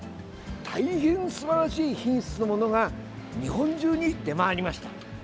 大変すばらしい品質のものが日本中に出回りました。